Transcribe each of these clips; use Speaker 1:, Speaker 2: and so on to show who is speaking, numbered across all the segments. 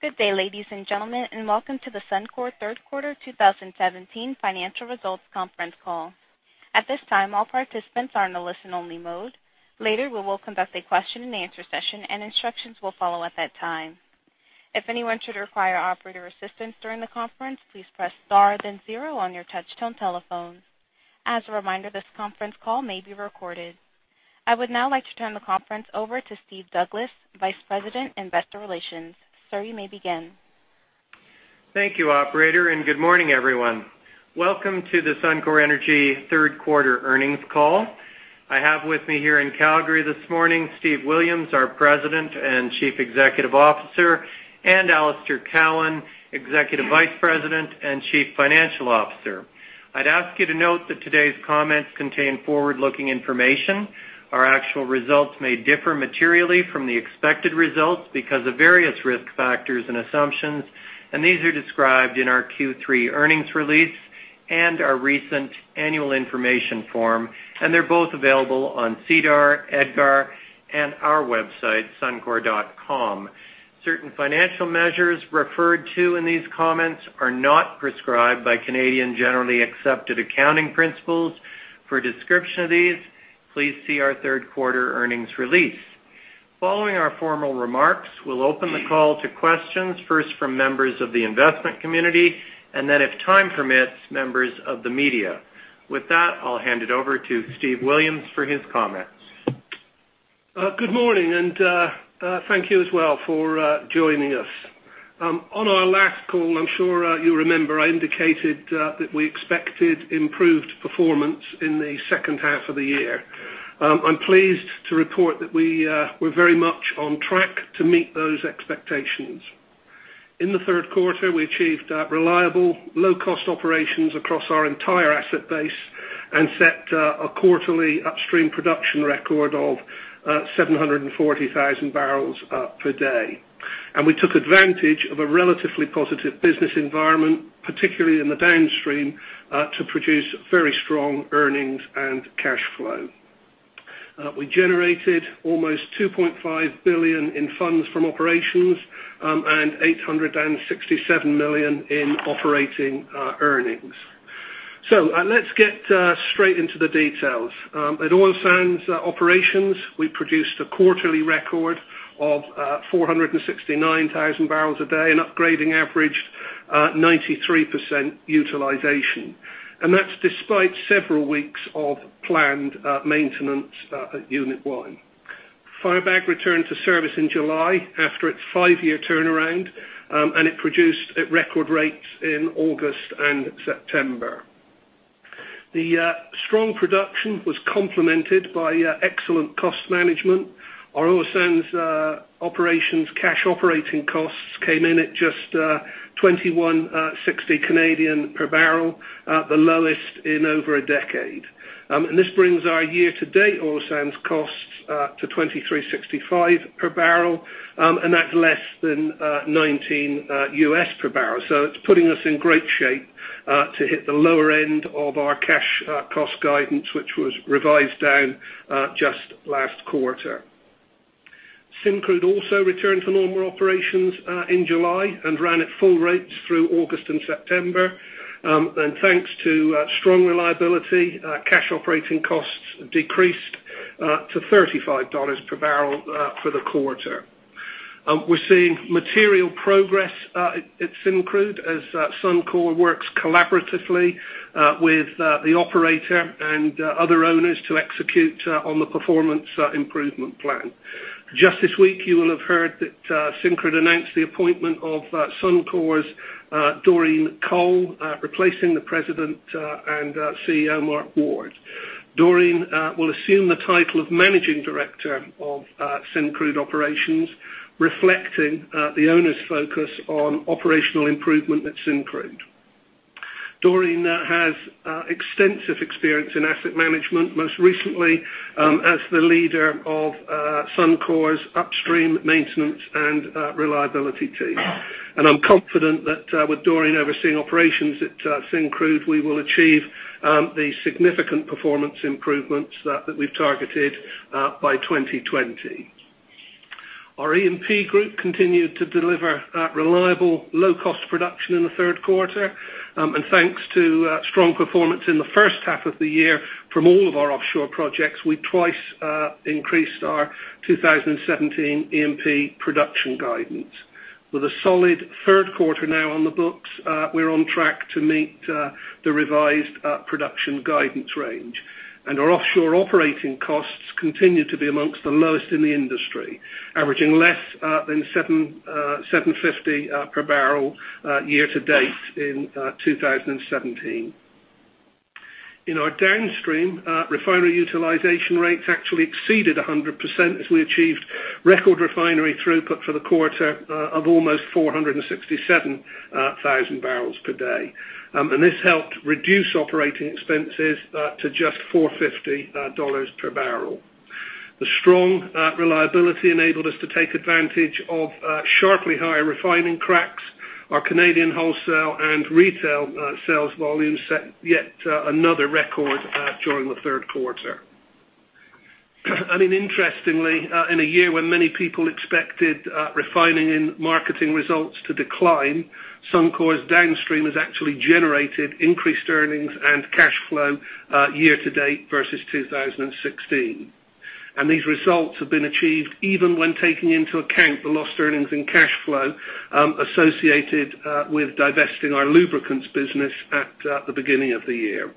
Speaker 1: Good day, ladies and gentlemen, welcome to the Suncor Third Quarter 2017 financial results conference call. At this time, all participants are in a listen-only mode. Later, we will conduct a question-and-answer session and instructions will follow at that time. If anyone should require operator assistance during the conference, please press star then 0 on your touch-tone telephone. As a reminder, this conference call may be recorded. I would now like to turn the conference over to Steve Douglas, Vice President, Investor Relations. Sir, you may begin.
Speaker 2: Thank you, operator, good morning, everyone. Welcome to the Suncor Energy third quarter earnings call. I have with me here in Calgary this morning, Steve Williams, our President and Chief Executive Officer, Alister Cowan, Executive Vice President and Chief Financial Officer. I'd ask you to note that today's comments contain forward-looking information. Our actual results may differ materially from the expected results because of various risk factors and assumptions, these are described in our Q3 earnings release and our recent annual information form, they're both available on SEDAR, EDGAR, and our website, suncor.com. Certain financial measures referred to in these comments are not prescribed by Canadian Generally Accepted Accounting Principles. For a description of these, please see our third quarter earnings release. Following our formal remarks, we'll open the call to questions, first from members of the investment community, then if time permits, members of the media. With that, I'll hand it over to Steve Williams for his comments.
Speaker 3: Good morning, thank you as well for joining us. On our last call, I'm sure you remember I indicated that we expected improved performance in the second half of the year. I'm pleased to report that we're very much on track to meet those expectations. In the third quarter, we achieved reliable, low-cost operations across our entire asset base and set a quarterly upstream production record of 740,000 barrels per day. We took advantage of a relatively positive business environment, particularly in the downstream, to produce very strong earnings and cash flow. We generated almost 2.5 billion in funds from operations and 867 million in operating earnings. Let's get straight into the details. At Oil Sands Operations, we produced a quarterly record of 469,000 barrels a day and upgrading averaged 93% utilization. That's despite several weeks of planned maintenance at Unit One. Firebag returned to service in July after its five-year turnaround. It produced at record rates in August and September. The strong production was complemented by excellent cost management. Our Oil Sands Operations cash operating costs came in at just 21.60 per barrel, the lowest in over a decade. This brings our year-to-date Oil Sands costs to 23.65 per barrel, and that's less than $19 per barrel. It's putting us in great shape to hit the lower end of our cash cost guidance, which was revised down just last quarter. Syncrude also returned to normal operations in July and ran at full rates through August and September. Thanks to strong reliability, cash operating costs decreased to 35 dollars per barrel for the quarter. We're seeing material progress at Syncrude as Suncor works collaboratively with the operator and other owners to execute on the performance improvement plan. Just this week, you will have heard that Syncrude announced the appointment of Suncor's Doreen Cole, replacing the President and CEO, Mark Ward. Doreen will assume the title of Managing Director of Syncrude Operations, reflecting the owner's focus on operational improvement at Syncrude. Doreen has extensive experience in asset management, most recently as the leader of Suncor's Upstream Maintenance and Reliability team. I'm confident that with Doreen overseeing operations at Syncrude, we will achieve the significant performance improvements that we've targeted by 2020. Our E&P group continued to deliver reliable, low-cost production in the third quarter. Thanks to strong performance in the first half of the year from all of our offshore projects, we twice increased our 2017 E&P production guidance. With a solid third quarter now on the books, we're on track to meet the revised production guidance range. Our offshore operating costs continue to be amongst the lowest in the industry, averaging less than 7.50 per barrel year-to-date in 2017. In our Downstream, refinery utilization rates actually exceeded 100% as we achieved record refinery throughput for the quarter of almost 467,000 barrels per day. This helped reduce operating expenses to just 4.50 dollars per barrel. The strong reliability enabled us to take advantage of sharply higher refining cracks. Our Canadian wholesale and retail sales volumes set yet another record during the third quarter. I mean, interestingly, in a year when many people expected refining and marketing results to decline, Suncor's downstream has actually generated increased earnings and cash flow year to date versus 2016. These results have been achieved even when taking into account the lost earnings and cash flow associated with divesting our lubricants business at the beginning of the year.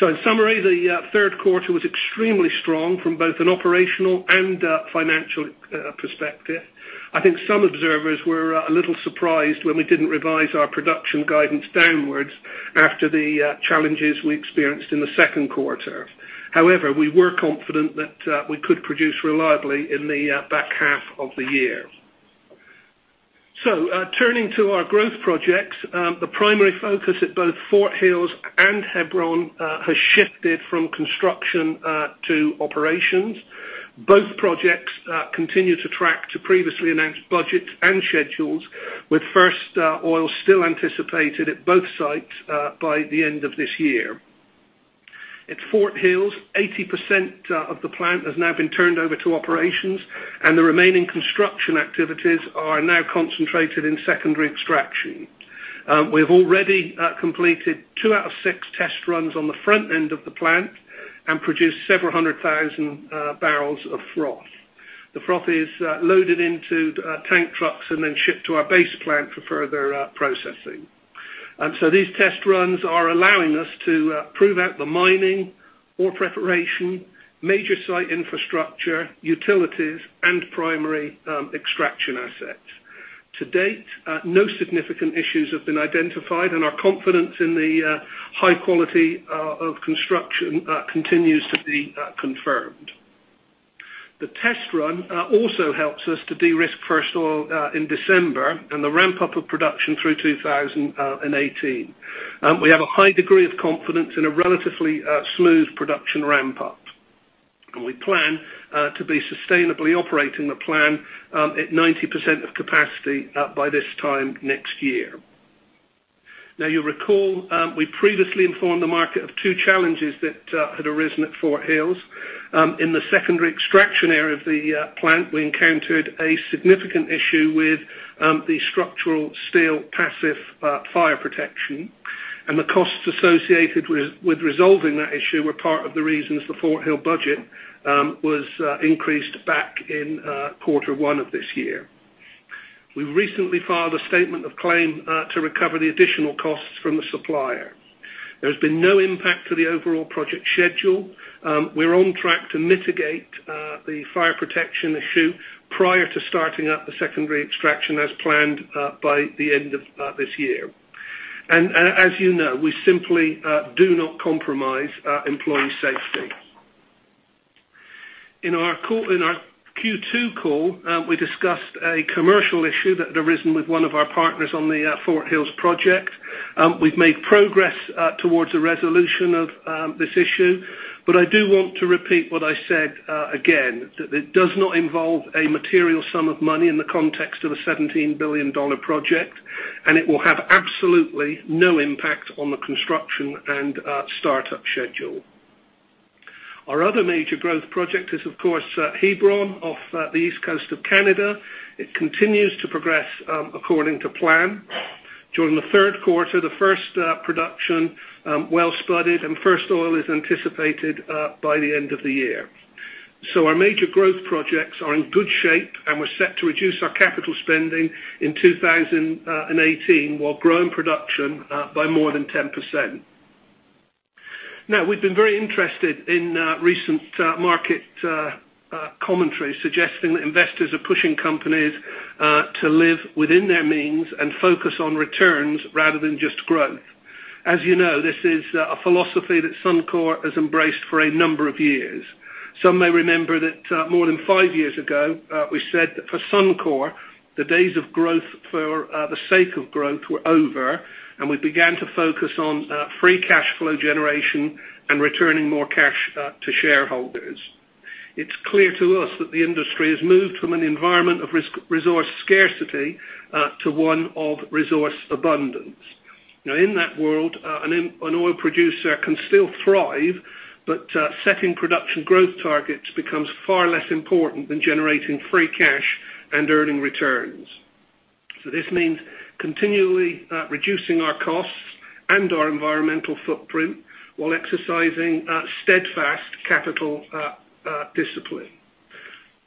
Speaker 3: In summary, the third quarter was extremely strong from both an operational and financial perspective. I think some observers were a little surprised when we didn't revise our production guidance downwards after the challenges we experienced in the second quarter. However, we were confident that we could produce reliably in the back half of the year. Turning to our growth projects, the primary focus at both Fort Hills and Hebron has shifted from construction to operations. Both projects continue to track to previously announced budgets and schedules, with first oil still anticipated at both sites by the end of this year. At Fort Hills, 80% of the plant has now been turned over to operations, the remaining construction activities are now concentrated in secondary extraction. We have already completed two out of six test runs on the front end of the plant and produced several hundred thousand barrels of froth. The froth is loaded into tank trucks and then shipped to our base plant for further processing. These test runs are allowing us to prove out the mining, ore preparation, major site infrastructure, utilities, and primary extraction assets. To date, no significant issues have been identified, and our confidence in the high quality of construction continues to be confirmed. The test run also helps us to de-risk first oil in December and the ramp-up of production through 2018. We have a high degree of confidence in a relatively smooth production ramp-up. We plan to be sustainably operating the plant at 90% of capacity by this time next year. You'll recall, we previously informed the market of two challenges that had arisen at Fort Hills. In the secondary extraction area of the plant, we encountered a significant issue with the structural steel passive fire protection. The costs associated with resolving that issue were part of the reasons the Fort Hills budget was increased back in quarter one of this year. We recently filed a statement of claim to recover the additional costs from the supplier. There has been no impact to the overall project schedule. We are on track to mitigate the fire protection issue prior to starting up the secondary extraction as planned by the end of this year. As you know, we simply do not compromise our employee safety. In our Q2 call, we discussed a commercial issue that had arisen with one of our partners on the Fort Hills project. We've made progress towards a resolution of this issue. I do want to repeat what I said again, that it does not involve a material sum of money in the context of a 17 billion dollar project, it will have absolutely no impact on the construction and startup schedule. Our other major growth project is, of course, Hebron, off the east coast of Canada. It continues to progress according to plan. During the third quarter, the first production well spudded, and first oil is anticipated by the end of the year. Our major growth projects are in good shape, and we're set to reduce our capital spending in 2018, while growing production by more than 10%. We've been very interested in recent market commentary suggesting that investors are pushing companies to live within their means and focus on returns rather than just growth. As you know, this is a philosophy that Suncor has embraced for a number of years. Some may remember that more than five years ago, we said that for Suncor, the days of growth for the sake of growth were over. We began to focus on free cash flow generation and returning more cash to shareholders. It's clear to us that the industry has moved from an environment of resource scarcity to one of resource abundance. In that world, an oil producer can still thrive, but setting production growth targets becomes far less important than generating free cash and earning returns. This means continually reducing our costs and our environmental footprint while exercising steadfast capital discipline.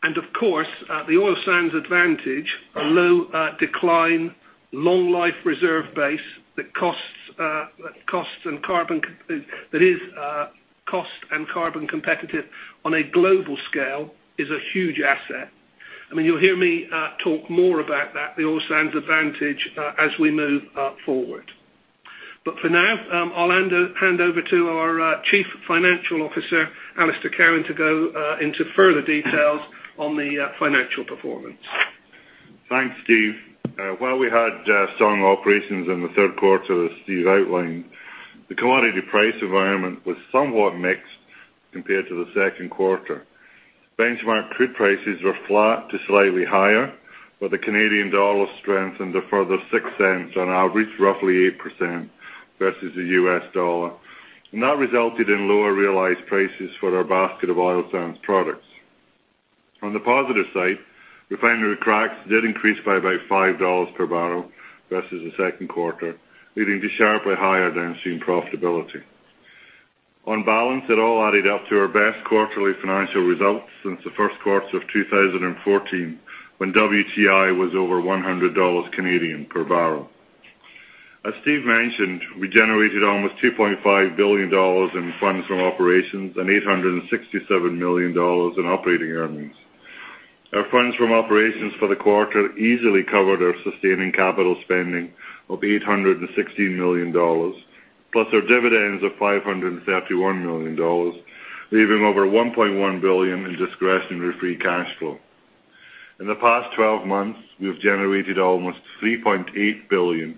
Speaker 3: Of course, the oil sands advantage, a low-decline, long-life reserve base that is cost and carbon competitive on a global scale, is a huge asset. I mean, you'll hear me talk more about that, the oil sands advantage, as we move forward. For now, I'll hand over to our Chief Financial Officer, Alister Cowan, to go into further details on the financial performance.
Speaker 4: Thanks, Steve. While we had strong operations in the third quarter, as Steve outlined, the commodity price environment was somewhat mixed compared to the second quarter. Benchmark crude prices were flat to slightly higher, but the Canadian dollar strengthened a further 0.06 on average, roughly 8% versus the US dollar. That resulted in lower realized prices for our basket of oil sands products. On the positive side, refinery cracks did increase by about 5 dollars per barrel versus the second quarter, leading to sharply higher downstream profitability. On balance, it all added up to our best quarterly financial results since the first quarter of 2014, when WTI was over 100 Canadian dollars per barrel. As Steve mentioned, we generated almost 2.5 billion dollars in funds from operations and 867 million dollars in operating earnings. Our funds from operations for the quarter easily covered our sustaining capital spending of 816 million dollars, plus our dividends of 531 million dollars, leaving over 1.1 billion in discretionary free cash flow. In the past 12 months, we have generated almost 3.8 billion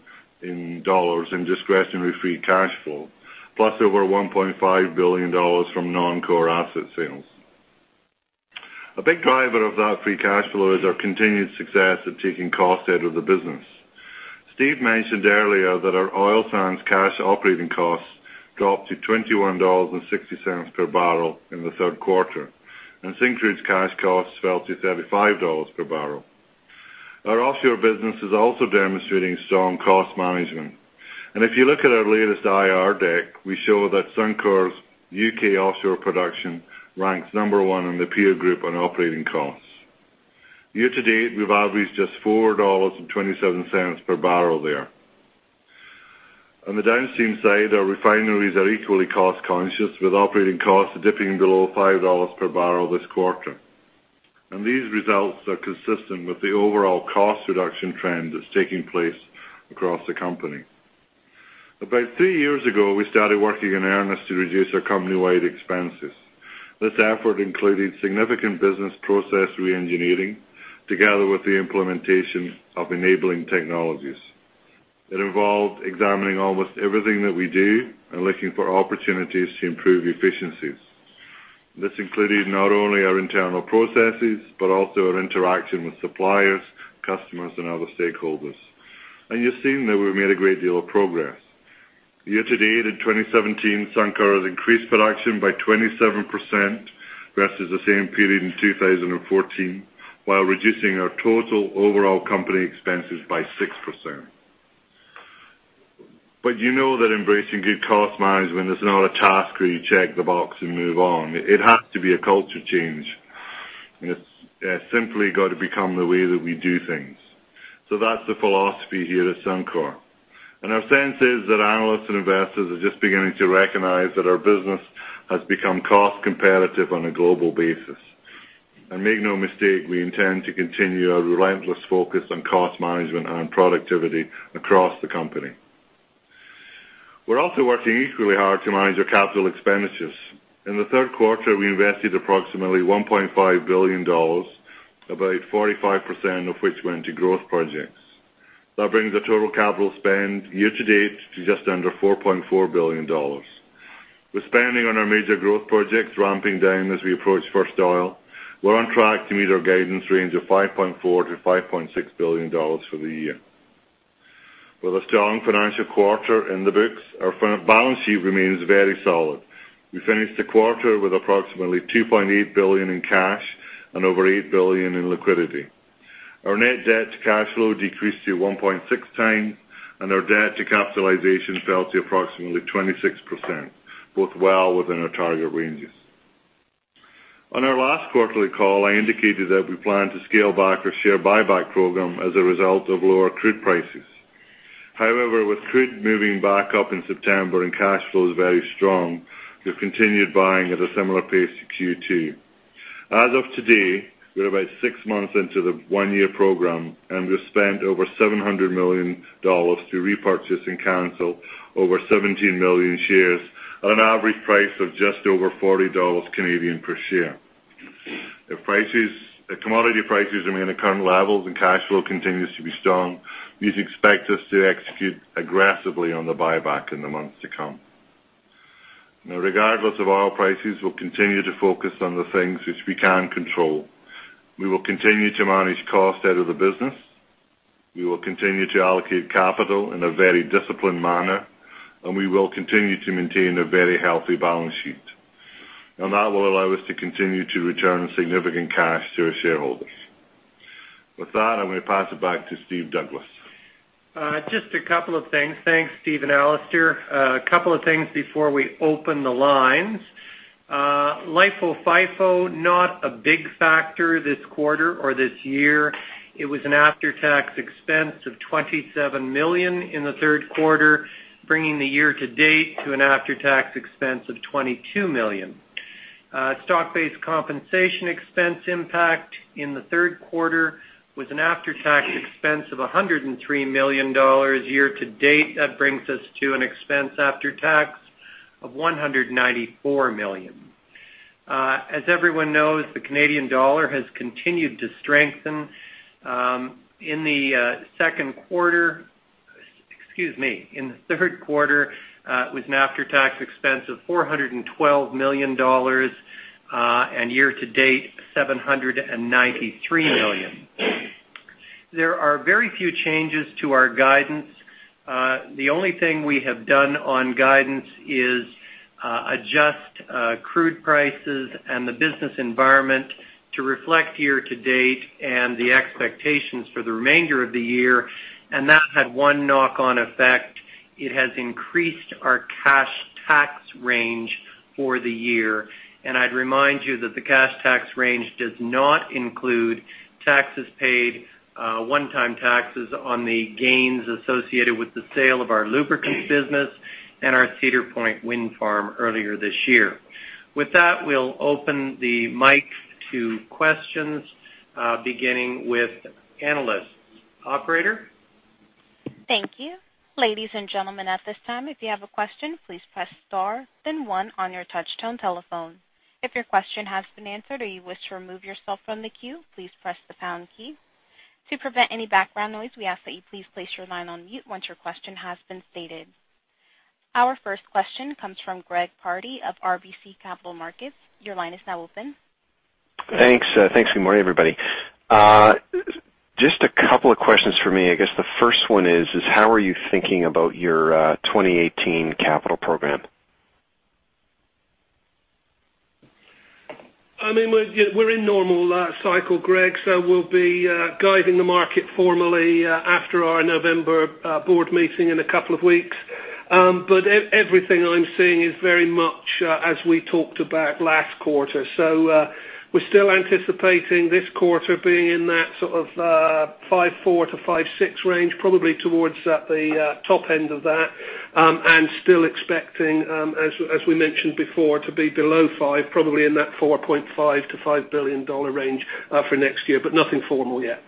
Speaker 4: dollars in discretionary free cash flow, plus over 1.5 billion dollars from non-core asset sales. A big driver of that free cash flow is our continued success at taking cost out of the business. Steve mentioned earlier that our oil sands cash operating costs dropped to 21.60 dollars per barrel in the third quarter, and Syncrude's cash costs fell to 35 dollars per barrel. Our offshore business is also demonstrating strong cost management, and if you look at our latest IR deck, we show that Suncor's U.K. offshore production ranks number 1 in the peer group on operating costs. Year to date, we've averaged just 4.27 dollars per barrel there. On the downstream side, our refineries are equally cost-conscious, with operating costs dipping below 5 dollars per barrel this quarter. These results are consistent with the overall cost reduction trend that's taking place across the company. About three years ago, we started working in earnest to reduce our company-wide expenses. This effort included significant business process re-engineering together with the implementation of enabling technologies. It involved examining almost everything that we do and looking for opportunities to improve efficiencies. This included not only our internal processes, but also our interaction with suppliers, customers, and other stakeholders. You've seen that we've made a great deal of progress. Year to date in 2017, Suncor has increased production by 27% versus the same period in 2014, while reducing our total overall company expenses by 6%. You know that embracing good cost management is not a task where you check the box and move on. It has to be a culture change, and it's simply got to become the way that we do things. That's the philosophy here at Suncor. Our sense is that analysts and investors are just beginning to recognize that our business has become cost competitive on a global basis. Make no mistake, we intend to continue our relentless focus on cost management and productivity across the company. We're also working equally hard to manage our capital expenditures. In the third quarter, we invested approximately 1.5 billion dollars, about 45% of which went to growth projects. That brings the total capital spend year to date to just under 4.4 billion dollars. With spending on our major growth projects ramping down as we approach first oil, we're on track to meet our guidance range of 5.4 billion-5.6 billion dollars for the year. With a strong financial quarter in the books, our balance sheet remains very solid. We finished the quarter with approximately 2.8 billion in cash and over 8 billion in liquidity. Our net debt to cash flow decreased to 1.6 times, and our debt to capitalization fell to approximately 26%, both well within our target ranges. On our last quarterly call, I indicated that we plan to scale back our share buyback program as a result of lower crude prices. However, with crude moving back up in September and cash flows very strong, we've continued buying at a similar pace to Q2. As of today, we're about six months into the one-year program, and we've spent over 700 million dollars to repurchase and cancel over 17 million shares at an average price of just over 40 Canadian dollars per share. If commodity prices remain at current levels and cash flow continues to be strong, you can expect us to execute aggressively on the buyback in the months to come. Regardless of oil prices, we'll continue to focus on the things which we can control. We will continue to manage cost out of the business, we will continue to allocate capital in a very disciplined manner, and we will continue to maintain a very healthy balance sheet. That will allow us to continue to return significant cash to our shareholders. With that, I'm going to pass it back to Steve Douglas.
Speaker 2: Just a couple of things. Thanks, Steve and Alister. A couple of things before we open the lines. LIFO, FIFO, not a big factor this quarter or this year. It was an after-tax expense of 27 million in the third quarter, bringing the year to date to an after-tax expense of 22 million. Stock-based compensation expense impact in the third quarter was an after-tax expense of 103 million dollars. Year to date, that brings us to an expense after tax of 194 million. As everyone knows, the Canadian dollar has continued to strengthen. In the second quarter. In the third quarter, it was an after-tax expense of 412 million dollars, and year to date, 793 million. There are very few changes to our guidance. That had one knock-on effect. It has increased our cash tax range for the year. I'd remind you that the cash tax range does not include taxes paid, one-time taxes on the gains associated with the sale of our lubricants business and our Cedar Point Wind Farm earlier this year. With that, we'll open the mic to questions, beginning with analysts. Operator?
Speaker 1: Thank you. Ladies and gentlemen, at this time, if you have a question, please press star then one on your touch-tone telephone. If your question has been answered or you wish to remove yourself from the queue, please press the pound key. To prevent any background noise, we ask that you please place your line on mute once your question has been stated. Our first question comes from Greg Pardy of RBC Capital Markets. Your line is now open.
Speaker 5: Thanks. Good morning, everybody. Just a couple of questions for me. I guess the first one is how are you thinking about your 2018 capital program?
Speaker 3: We're in normal cycle, Greg, we'll be guiding the market formally after our November board meeting in a couple of weeks. Everything I'm seeing is very much as we talked about last quarter. We're still anticipating this quarter being in that sort of 5.4 billion-5.6 billion range, probably towards the top end of that, and still expecting, as we mentioned before, to be below 5 billion, probably in that 4.5 billion-5 billion dollar range for next year, but nothing formal yet.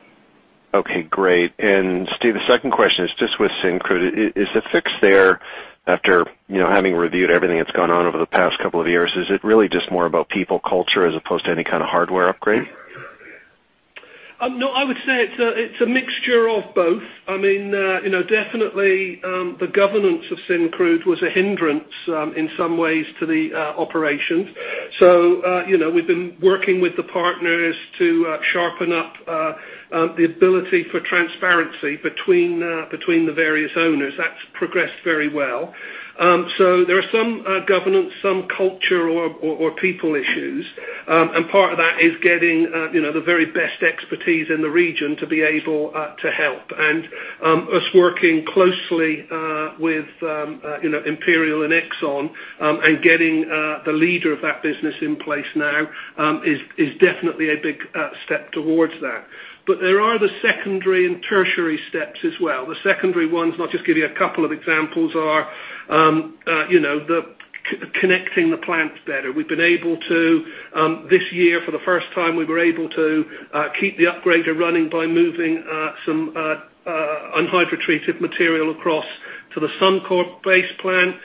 Speaker 5: Okay, great. Steve, the second question is just with Syncrude. Is the fix there after having reviewed everything that's gone on over the past couple of years, is it really just more about people culture as opposed to any kind of hardware upgrade?
Speaker 3: No, I would say it's a mixture of both. Definitely the governance of Syncrude was a hindrance in some ways to the operations. We've been working with the partners to sharpen up the ability for transparency between the various owners. That's progressed very well. There are some governance, some culture, or people issues. Part of that is getting the very best expertise in the region to be able to help. Us working closely with Imperial and Exxon, and getting the leader of that business in place now is definitely a big step towards that. There are the secondary and tertiary steps as well. The secondary ones, and I'll just give you a couple of examples, are connecting the plants better. This year, for the first time, we were able to keep the upgrader running by moving some unhydrotreated material across to the Suncor base plant.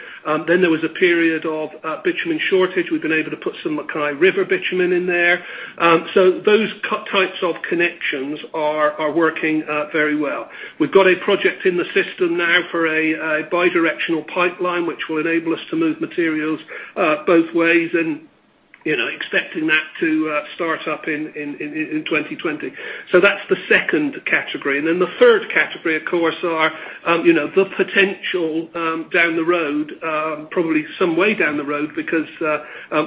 Speaker 3: There was a period of bitumen shortage. We've been able to put some MacKay River bitumen in there. Those types of connections are working very well. We've got a project in the system now for a bi-directional pipeline, which will enable us to move materials both ways, and expecting that to start up in 2020. That's the category 2. The category 3, of course, are the potential down the road, probably some way down the road, because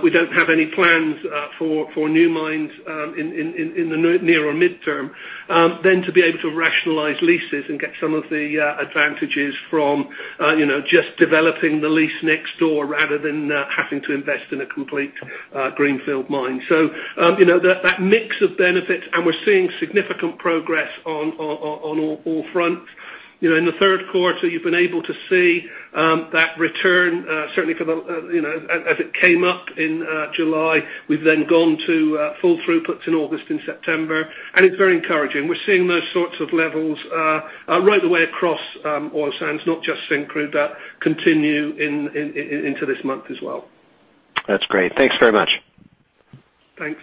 Speaker 3: we don't have any plans for new mines in the near or mid-term, then to be able to rationalize leases and get some of the advantages from just developing the lease next door rather than having to invest in a complete greenfield mine. That mix of benefits, and we're seeing significant progress on all fronts. In the third quarter, you've been able to see that return, certainly as it came up in July. We've then gone to full throughputs in August and September, and it's very encouraging. We're seeing those sorts of levels right the way across oil sands, not just Syncrude, that continue into this month as well.
Speaker 5: That's great. Thanks very much.
Speaker 3: Thanks.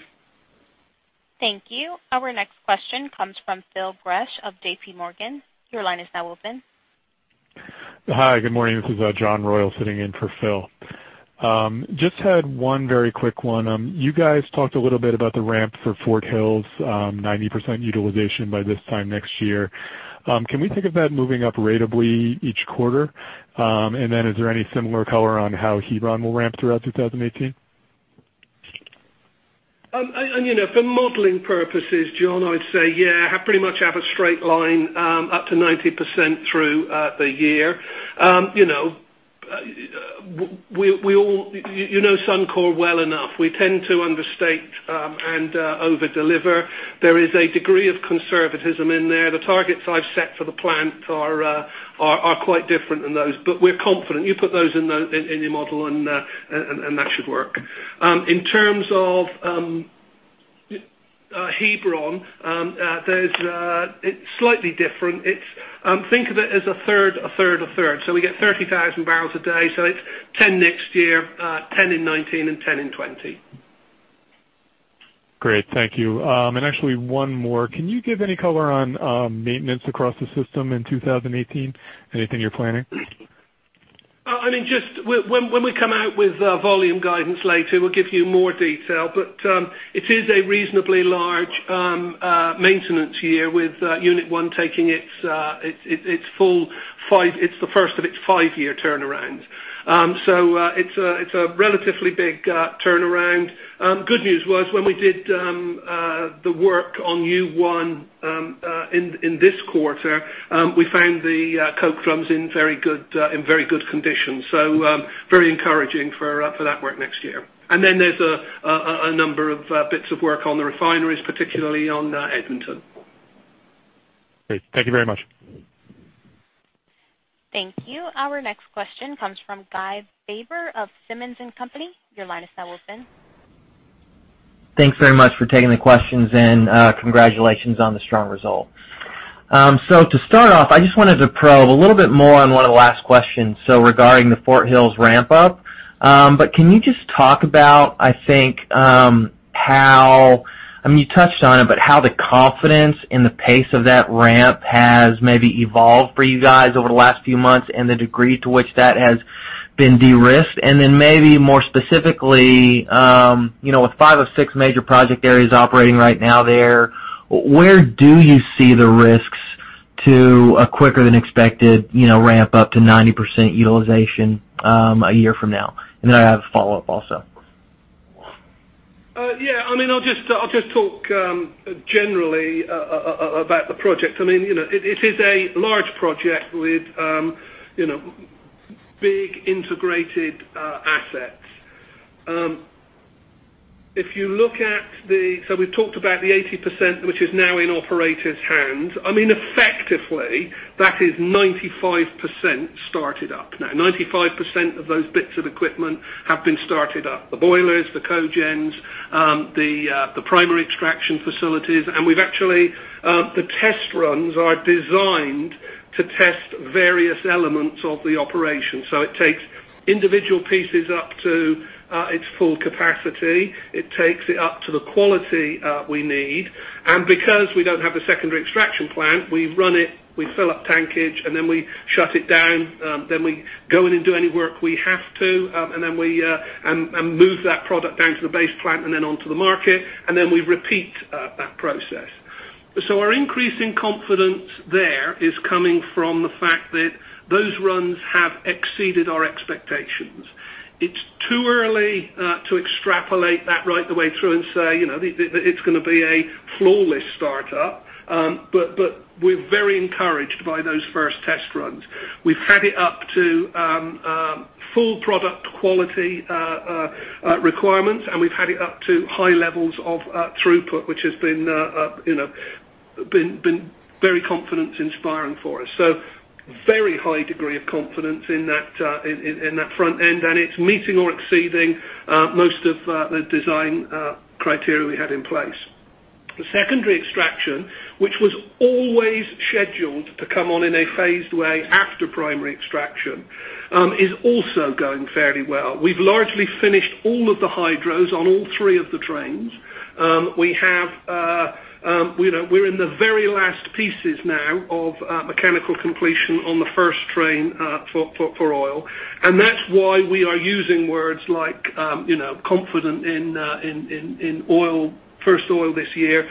Speaker 1: Thank you. Our next question comes from Phil Gresh of JPMorgan. Your line is now open.
Speaker 6: Hi, good morning. This is John Royall sitting in for Phil. Just had one very quick one. You guys talked a little bit about the ramp for Fort Hills, 90% utilization by this time next year. Can we think of that moving up ratably each quarter? Is there any similar color on how Hebron will ramp throughout 2018?
Speaker 3: For modeling purposes, John, I'd say yeah, pretty much have a straight line up to 90% through the year. You know Suncor well enough. We tend to understate and over-deliver. There is a degree of conservatism in there. The targets I've set for the plant are quite different than those, but we're confident. You put those in your model, and that should work. In terms of Hebron, it's slightly different. Think of it as a third, a third, a third. We get 30,000 barrels a day, so it's 10 next year, 10 in 2019, and 10 in 2020.
Speaker 6: Great. Thank you. Actually one more. Can you give any color on maintenance across the system in 2018? Anything you're planning?
Speaker 3: When we come out with volume guidance later, we'll give you more detail, but it is a reasonably large maintenance year with Unit One taking its first of its five-year turnaround. It's a relatively big turnaround. Good news was when we did the work on U1 in this quarter, we found the coke drums in very good condition. Very encouraging for that work next year. Then there's a number of bits of work on the refineries, particularly on Edmonton.
Speaker 6: Great. Thank you very much.
Speaker 1: Thank you. Our next question comes from Guy Baber of Simmons & Company. Your line is now open.
Speaker 7: Thanks very much for taking the questions and congratulations on the strong result. To start off, I just wanted to probe a little bit more on one of the last questions, regarding the Fort Hills ramp-up. Can you just talk about, you touched on it, but how the confidence in the pace of that ramp has maybe evolved for you guys over the last few months and the degree to which that has been de-risked? Then maybe more specifically, with five of six major project areas operating right now there, where do you see the risks to a quicker than expected ramp-up to 90% utilization a year from now? Then I have a follow-up also.
Speaker 3: I'll just talk generally about the project. It is a large project with big integrated assets. We've talked about the 80%, which is now in operators' hands. Effectively, that is 95% started up now. 95% of those bits of equipment have been started up. The boilers, the cogens, the primary extraction facilities. The test runs are designed to test various elements of the operation. It takes individual pieces up to its full capacity. It takes it up to the quality we need. Because we don't have the secondary extraction plant, we run it, we fill up tankage, then we shut it down. We go in and do any work we have to, move that product down to the base plant then onto the market. Then we repeat that process. Our increasing confidence there is coming from the fact that those runs have exceeded our expectations. It's too early to extrapolate that right the way through and say, that it's going to be a flawless start-up. We're very encouraged by those first test runs. We've had it up to full product quality requirements, we've had it up to high levels of throughput, which has been very confidence-inspiring for us. Very high degree of confidence in that front end, it's meeting or exceeding most of the design criteria we had in place. The secondary extraction, which was always scheduled to come on in a phased way after primary extraction, is also going fairly well. We've largely finished all of the hydros on all three of the trains. We're in the very last pieces now of mechanical completion on the first train for oil. That's why we are using words like confident in first oil this year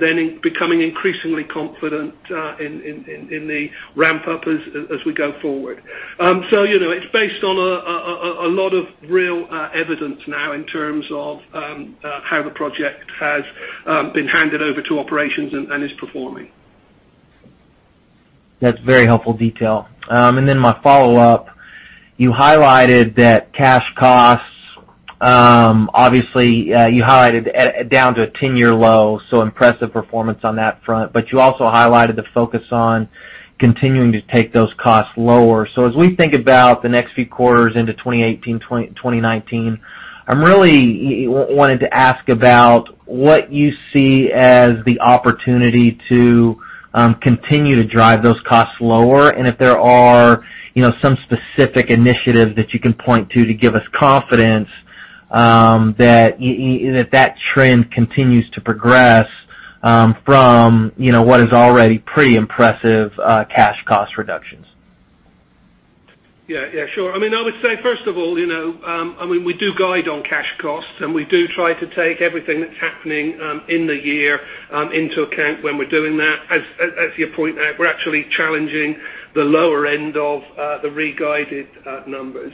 Speaker 3: then becoming increasingly confident in the ramp-up as we go forward. It's based on a lot of real evidence now in terms of how the project has been handed over to operations and is performing.
Speaker 7: My follow-up, you highlighted that cash costs, obviously, you highlighted down to a 10-year low, so impressive performance on that front, but you also highlighted the focus on continuing to take those costs lower. As we think about the next few quarters into 2018, 2019, I'm really wanting to ask about what you see as the opportunity to continue to drive those costs lower, and if there are some specific initiatives that you can point to give us confidence that trend continues to progress from what is already pretty impressive cash cost reductions.
Speaker 3: Yeah. Sure. I would say, first of all, we do guide on cash costs, and we do try to take everything that's happening in the year into account when we're doing that. As you point out, we're actually challenging the lower end of the re-guided numbers.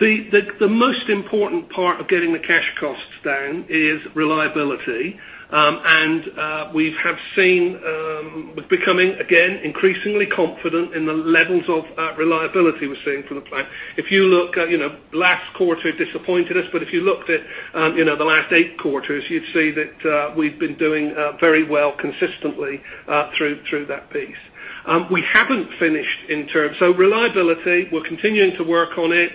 Speaker 3: The most important part of getting the cash costs down is reliability, and we have seen becoming, again, increasingly confident in the levels of reliability we're seeing from the plant. Last quarter disappointed us, but if you looked at the last eight quarters, you'd see that we've been doing very well consistently through that piece. We haven't finished in terms. Reliability, we're continuing to work on it.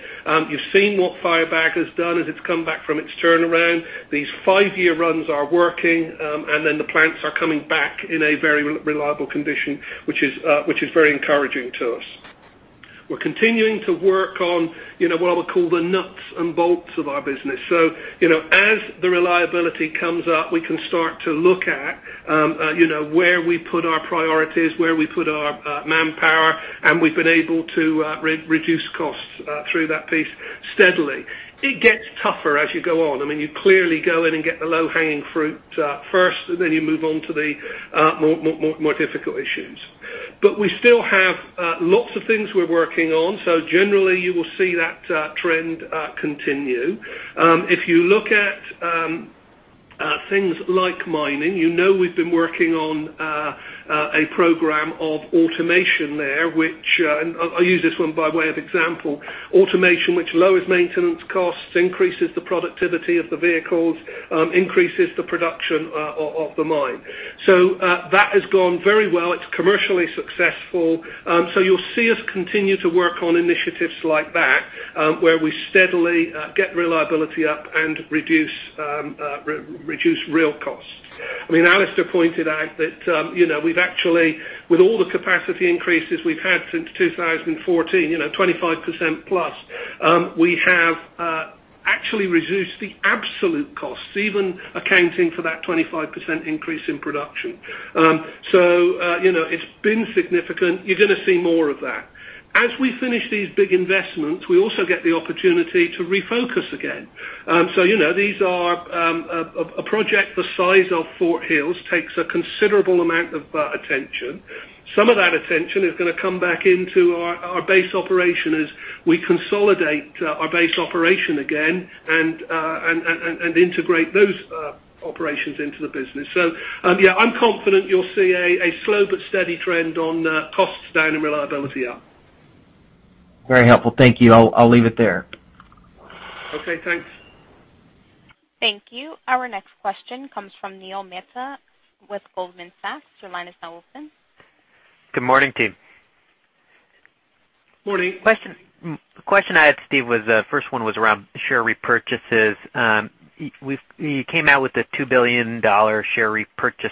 Speaker 3: You've seen what Firebag has done as it's come back from its turnaround. These five-year runs are working, and then the plants are coming back in a very reliable condition, which is very encouraging to us. We're continuing to work on what I would call the nuts and bolts of our business. As the reliability comes up, we can start to look at where we put our priorities, where we put our manpower, and we've been able to reduce costs through that piece steadily. It gets tougher as you go on. You clearly go in and get the low-hanging fruit first, and then you move on to the more difficult issues. We still have lots of things we're working on, so generally, you will see that trend continue. If you look at things like mining, you know we've been working on a program of automation there, which, and I use this one by way of example, automation which lowers maintenance costs, increases the productivity of the vehicles, increases the production of the mine. That has gone very well. It's commercially successful. You'll see us continue to work on initiatives like that, where we steadily get reliability up and reduce real costs. Alister pointed out that we've actually, with all the capacity increases we've had since 2014, 25% plus, we have actually reduced the absolute costs, even accounting for that 25% increase in production. It's been significant. You're going to see more of that. As we finish these big investments, we also get the opportunity to refocus again. A project the size of Fort Hills takes a considerable amount of attention. Some of that attention is going to come back into our base operation as we consolidate our base operation again and integrate those operations into the business. Yeah, I'm confident you'll see a slow but steady trend on costs down and reliability up.
Speaker 7: Very helpful. Thank you. I'll leave it there.
Speaker 3: Okay, thanks.
Speaker 1: Thank you. Our next question comes from Neil Mehta with Goldman Sachs. Your line is now open.
Speaker 8: Good morning, team.
Speaker 3: Morning.
Speaker 8: The question I had, Steve, first one was around share repurchases. You came out with a 2 billion dollar share repurchase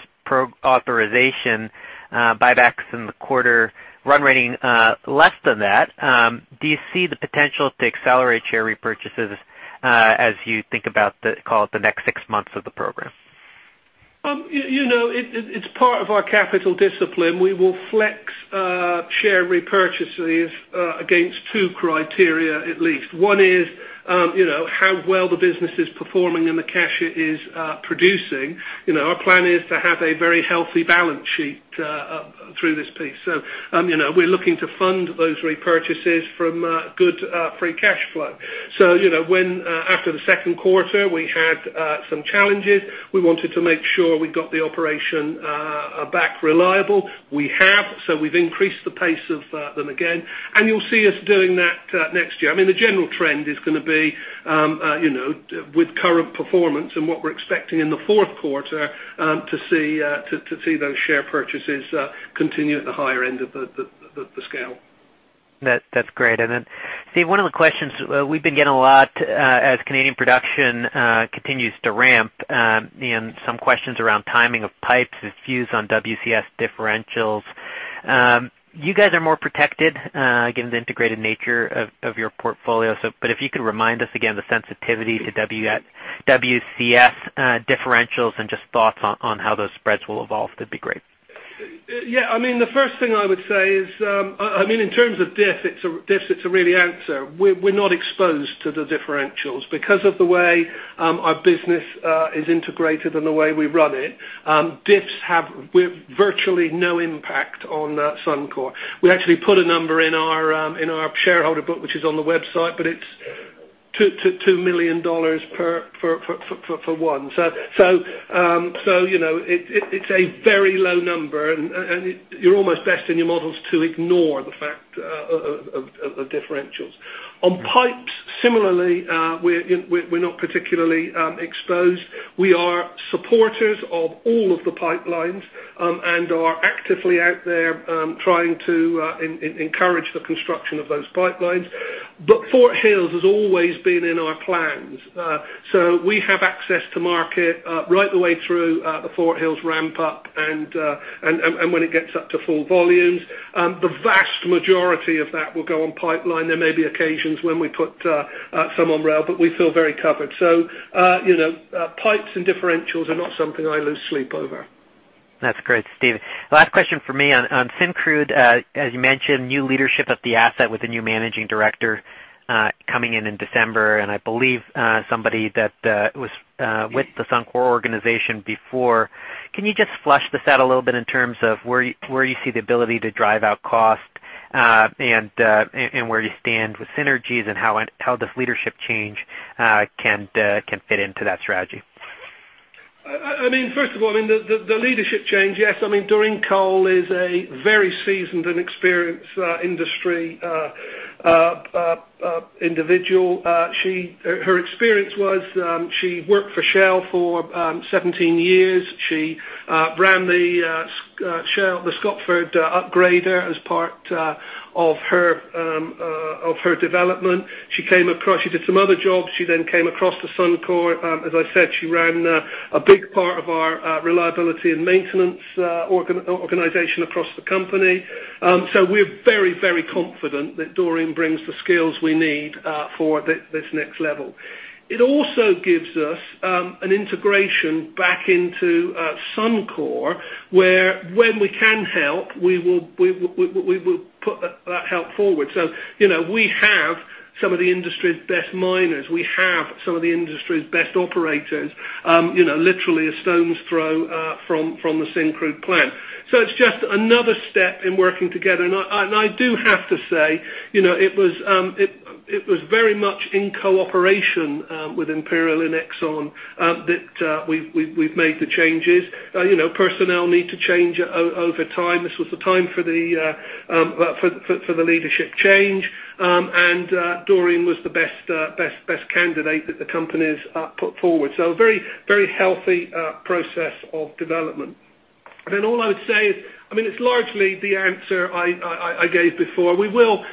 Speaker 8: authorization, buybacks in the quarter, run rating less than that. Do you see the potential to accelerate share repurchases as you think about the, call it, the next six months of the program?
Speaker 3: It's part of our capital discipline. We will flex share repurchases against two criteria, at least. One is how well the business is performing and the cash it is producing. Our plan is to have a very healthy balance sheet through this piece. We're looking to fund those repurchases from good free cash flow. After the second quarter, we had some challenges. We wanted to make sure we got the operation back reliable. We have, we've increased the pace of them again, and you'll see us doing that next year. The general trend is going to be, with current performance and what we're expecting in the fourth quarter, to see those share purchases continue at the higher end of the scale.
Speaker 8: That's great. Steve, one of the questions we've been getting a lot as Canadian production continues to ramp, some questions around timing of pipes and views on WCS differentials. You guys are more protected given the integrated nature of your portfolio. If you could remind us again the sensitivity to WCS differentials and just thoughts on how those spreads will evolve, that'd be great.
Speaker 3: Yeah. The first thing I would say is, in terms of diffs, it's a real answer. We're not exposed to the differentials. Because of the way our business is integrated and the way we run it, diffs have virtually no impact on Suncor. We actually put a number in our shareholder book, which is on the website, but it's 2 million dollars for one. It's a very low number, and you're almost best in your models to ignore the fact of differentials. On pipes, similarly, we're not particularly exposed. We are supporters of all of the pipelines and are actively out there trying to encourage the construction of those pipelines. Fort Hills has always been in our plans. We have access to market right the way through the Fort Hills ramp-up and when it gets up to full volumes. The vast majority of that will go on pipeline. There may be occasions when we put some on rail, but we feel very covered. Pipes and differentials are not something I lose sleep over.
Speaker 8: That's great, Steve. Last question from me on Syncrude. As you mentioned, new leadership at the asset with a new Managing Director coming in in December, and I believe somebody that was with the Suncor organization before. Can you just flesh this out a little bit in terms of where you see the ability to drive out cost and where you stand with synergies and how this leadership change can fit into that strategy?
Speaker 3: First of all, the leadership change, yes. Doreen Cole is a very seasoned and experienced industry individual. Her experience was she worked for Shell for 17 years. She ran the Scotford upgrader as part of her development. She did some other jobs. She came across to Suncor. As I said, she ran a big part of our reliability and maintenance organization across the company. We're very, very confident that Doreen brings the skills we need for this next level. It also gives us an integration back into Suncor, where when we can help, we will put that help forward. We have some of the industry's best miners. We have some of the industry's best operators literally a stone's throw from the Syncrude plant. It's just another step in working together. I do have to say, it was very much in cooperation with Imperial and Exxon that we've made the changes. Personnel need to change over time. This was the time for the leadership change. Doreen was the best candidate that the companies put forward. A very healthy process of development. All I would say is, it's largely the answer I gave before. We will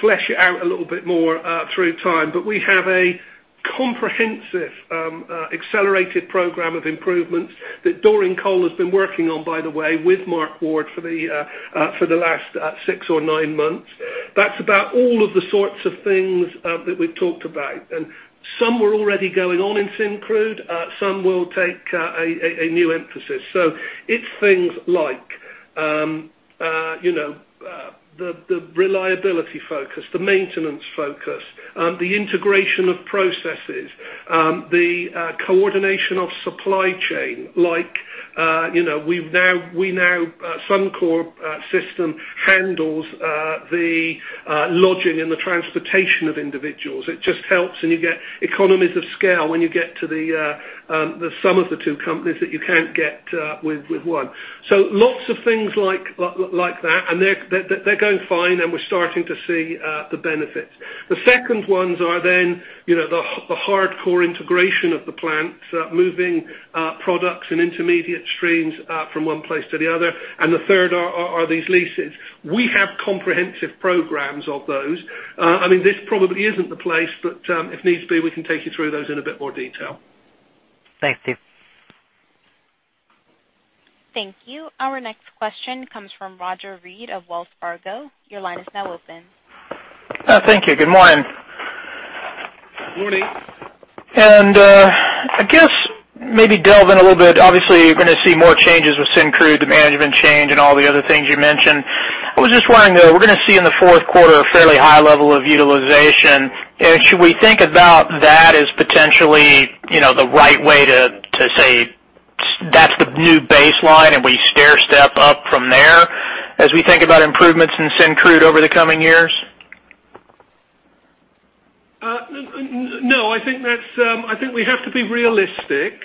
Speaker 3: flesh it out a little bit more through time. We have a comprehensive accelerated program of improvements that Doreen Cole has been working on, by the way, with Mark Ward for the last six or nine months. That's about all of the sorts of things that we've talked about. Some were already going on in Syncrude. Some will take a new emphasis. It's things like the reliability focus, the maintenance focus, the integration of processes, the coordination of supply chain. Suncor system handles the lodging and the transportation of individuals. It just helps, and you get economies of scale when you get to the sum of the two companies that you can't get with one. Lots of things like that, and they're going fine, and we're starting to see the benefits. The second ones are then the hardcore integration of the plant, moving products and intermediate streams from one place to the other. The third are these leases. We have comprehensive programs of those. This probably isn't the place, but if needs be, we can take you through those in a bit more detail.
Speaker 8: Thank you.
Speaker 1: Thank you. Our next question comes from Roger Read of Wells Fargo. Your line is now open.
Speaker 9: Thank you. Good morning.
Speaker 3: Morning.
Speaker 9: I guess maybe delve in a little bit. Obviously, you're going to see more changes with Syncrude, the management change and all the other things you mentioned. I was just wondering, though, we're going to see in the fourth quarter a fairly high level of utilization. Should we think about that as potentially the right way to say that's the new baseline, and we stair-step up from there as we think about improvements in Syncrude over the coming years?
Speaker 3: No. I think we have to be realistic.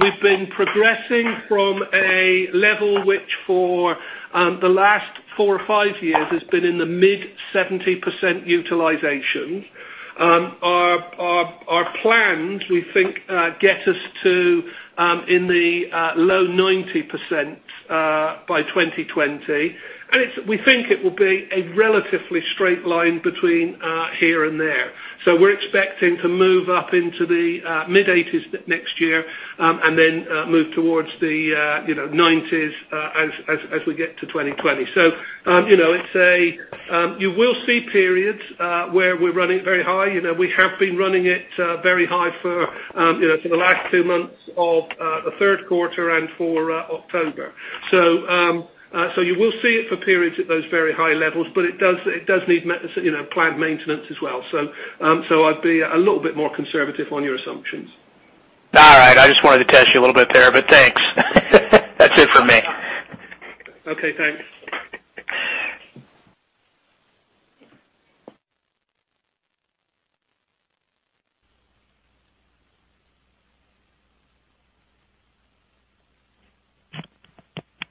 Speaker 3: We've been progressing from a level which, for the last four or five years, has been in the mid-70% utilization. Our plans, we think, get us to in the low 90% by 2020. We think it will be a relatively straight line between here and there. We're expecting to move up into the mid-80s next year, and then move towards the 90s as we get to 2020. You will see periods where we're running very high. We have been running it very high for the last two months of the third quarter and for October. You will see it for periods at those very high levels, but it does need plant maintenance as well. I'd be a little bit more conservative on your assumptions.
Speaker 9: All right. I just wanted to test you a little bit there, but thanks. That's it for me.
Speaker 3: Okay, thanks.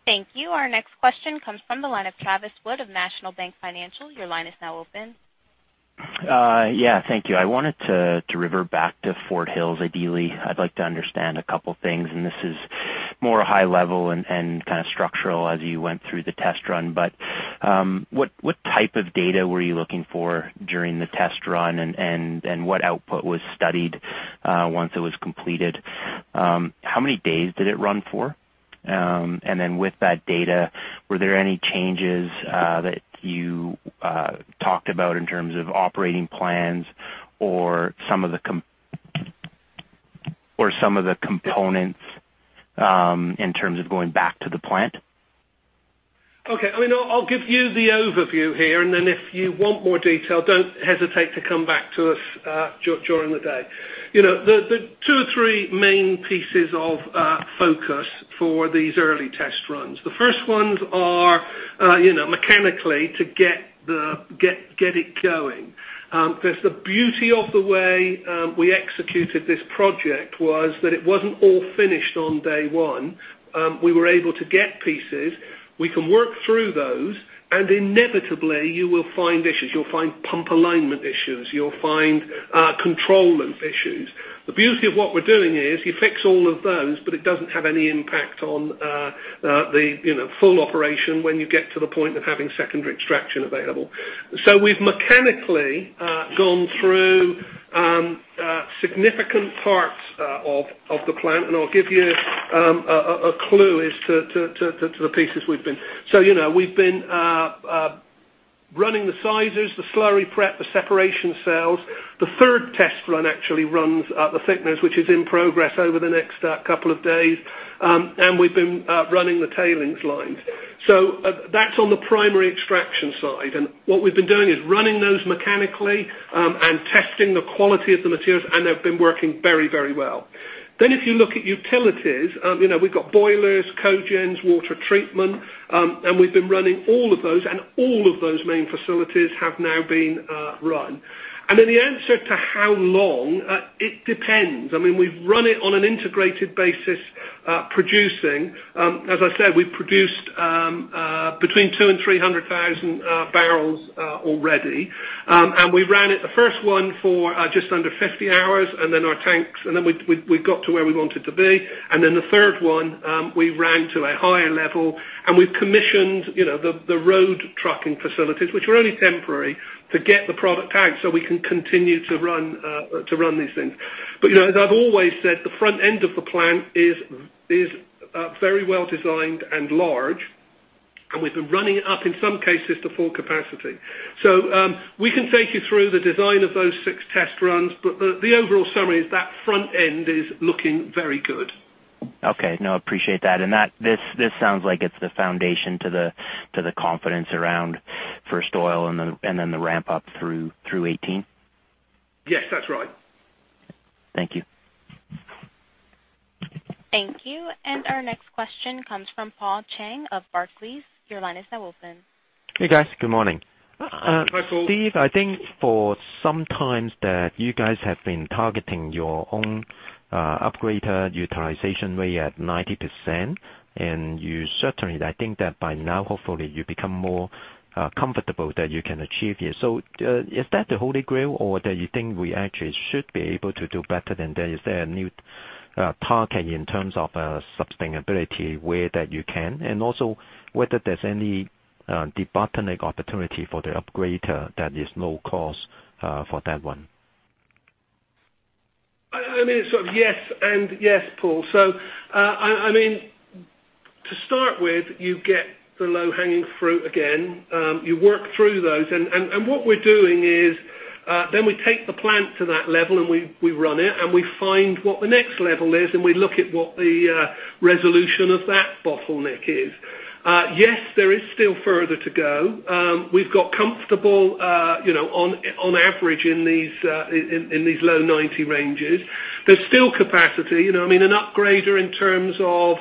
Speaker 1: Thank you. Our next question comes from the line of Travis Wood of National Bank Financial. Your line is now open.
Speaker 10: Yeah, thank you. I wanted to revert back to Fort Hills, ideally. I'd like to understand a couple things, and this is more high level and structural as you went through the test run. What type of data were you looking for during the test run, and what output was studied once it was completed? How many days did it run for? With that data, were there any changes that you talked about in terms of operating plans or some of the components in terms of going back to the plant?
Speaker 3: Okay. I'll give you the overview here. If you want more detail, don't hesitate to come back to us during the day. The two or three main pieces of focus for these early test runs. The first ones are mechanically to get it going. The beauty of the way we executed this project was that it wasn't all finished on day one. We were able to get pieces. We can work through those, and inevitably, you will find issues. You'll find pump alignment issues. You'll find control loop issues. The beauty of what we're doing is you fix all of those, but it doesn't have any impact on the full operation when you get to the point of having secondary extraction available. We've mechanically gone through significant parts of the plant, and I'll give you a clue as to the pieces we've been. We've been running the sizers, the slurry prep, the separation cells. The third test run actually runs the thickness, which is in progress over the next couple of days. We've been running the tailings lines. That's on the primary extraction side. What we've been doing is running those mechanically and testing the quality of the materials, and they've been working very well. If you look at utilities, we've got boilers, cogens, water treatment, and we've been running all of those, and all of those main facilities have now been run. The answer to how long, it depends. We've run it on an integrated basis, producing. As I said, we've produced between 200,000 and 300,000 barrels already. We ran it, the first one for just under 50 hours, and then our tanks, and then we got to where we wanted to be. The third one, we ran to a higher level, we've commissioned the road trucking facilities, which were only temporary, to get the product out so we can continue to run these things. As I've always said, the front end of the plant is very well-designed and large, and we've been running it up in some cases to full capacity. We can take you through the design of those six test runs, but the overall summary is that front end is looking very good.
Speaker 10: Okay. No, appreciate that. This sounds like it's the foundation to the confidence around first oil and the ramp-up through 2018.
Speaker 3: Yes, that's right.
Speaker 10: Thank you.
Speaker 1: Thank you. Our next question comes from Paul Cheng of Barclays. Your line is now open.
Speaker 11: Hey, guys. Good morning.
Speaker 3: Hi, Paul.
Speaker 11: Steve, I think for some times that you guys have been targeting your own upgrader utilization way at 90%, and you certainly, I think that by now, hopefully you become more comfortable that you can achieve this. Is that the Holy Grail, or that you think we actually should be able to do better than this? Is there a new target in terms of sustainability where that you can? Also whether there's any debottleneck opportunity for the upgrader that is low cost for that one.
Speaker 3: Yes and yes, Paul. To start with, you get the low-hanging fruit again. You work through those, what we're doing is, then we take the plant to that level and we run it, and we find what the next level is, and we look at what the resolution of that bottleneck is. There is still further to go. We've got comfortable on average in these low 90 ranges. There's still capacity. An upgrader in terms of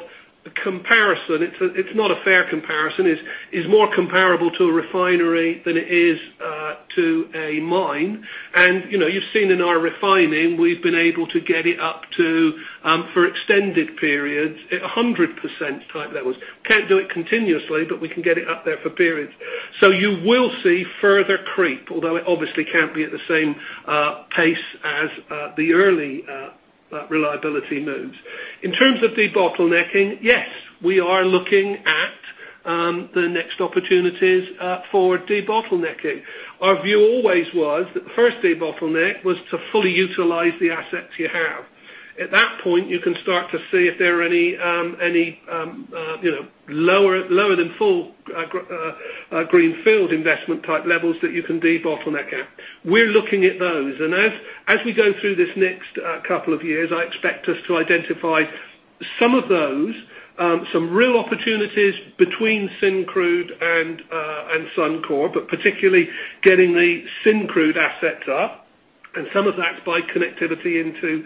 Speaker 3: comparison, it's not a fair comparison, is more comparable to a refinery than it is to a mine. You've seen in our refining, we've been able to get it up to, for extended periods, at 100% type levels. Can't do it continuously, but we can get it up there for periods. You will see further creep, although it obviously can't be at the same pace as the early reliability moves. In terms of debottlenecking, we are looking at the next opportunities for debottlenecking. Our view always was that the first debottleneck was to fully utilize the assets you have. At that point, you can start to see if there are any lower than full greenfield investment type levels that you can debottleneck at. We're looking at those, as we go through this next couple of years, I expect us to identify some of those, some real opportunities between Syncrude and Suncor, but particularly getting the Syncrude assets up, and some of that's by connectivity into